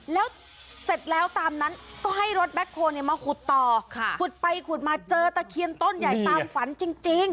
แล้วเสร็จแล้วตามนั้นก็ให้รถแบ็คโฮลมาขุดต่อขุดไปขุดมาเจอตะเคียนต้นใหญ่ตามฝันจริง